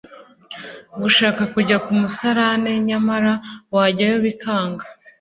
Gushaka kujya ku musarane nyamara wajyayo bikanga